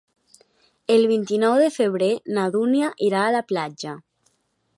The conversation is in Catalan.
El vint-i-nou de febrer na Dúnia irà a la platja.